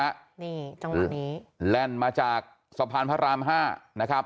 นี่จังหวะนี้แล่นมาจากสะพานพระรามห้านะครับ